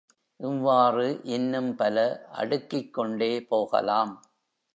இவ்வாறு இன்னும் பல அடுக்கிக்கொண்டே போகலாம்.